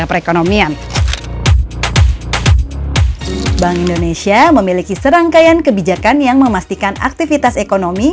perekonomian bank indonesia memiliki serangkaian kebijakan yang memastikan aktivitas ekonomi